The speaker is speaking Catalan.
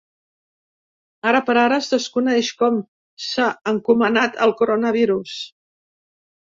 Ara per ara, es desconeix com s’ha encomanat el coronavirus.